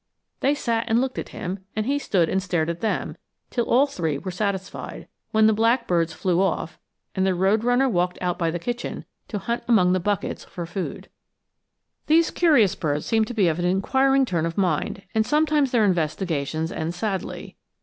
They sat and looked at him, and he stood and stared at them till all three were satisfied, when the blackbirds flew off and the road runner walked out by the kitchen to hunt among the buckets for food. These curious birds seem to be of an inquiring turn of mind, and sometimes their investigations end sadly.